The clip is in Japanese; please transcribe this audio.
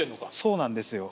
そうなんですよ。